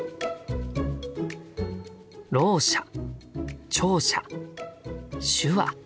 「ろう者」「聴者」「手話」。